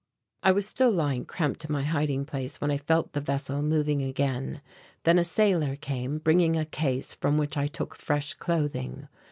I was still lying cramped in my hiding place when I felt the vessel moving again. Then a sailor came, bringing a case from which I took fresh clothing.